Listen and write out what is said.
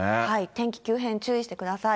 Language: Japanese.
天気急変、注意してください。